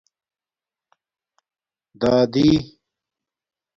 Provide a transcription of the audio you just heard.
دَادِئ